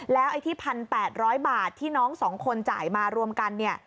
แล้วไอ้ที่๑๘๐๐บาทที่น้อง๒คนจ่ายมารวมกันเนี่ย